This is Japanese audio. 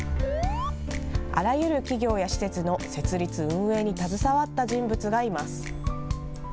あらゆる企業や施設の設立、運営に携わった人物がいます。